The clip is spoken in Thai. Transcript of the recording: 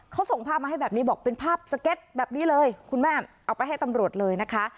เขาส่งภาพมาให้แบบนี้บอกเป็นภาพสเก็ตแบบนี้เลยคุณแม่เอาไปให้ตำรวจเลยนะคะ